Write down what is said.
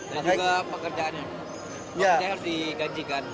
dan juga pekerjaannya pekerjaan harus digajikan